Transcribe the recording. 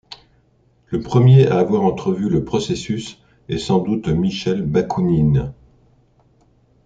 Le premier à avoir entrevu le processus est sans doute Michel Bakounine.